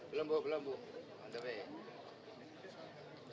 belum bu belum bu